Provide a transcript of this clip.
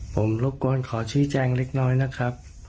ผมรบกวนขอชี้แจงเล็กน้อยนะครับ